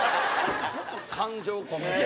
感情込めて。